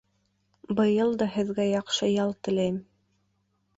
Быйыл да һеҙгә яҡшы ял теләйем.